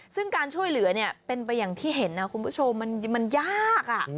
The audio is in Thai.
ซึ่งการช่วยเหลือเนี่ยเป็นไปอย่างที่เห็นนะคุณผู้ชมมันยาก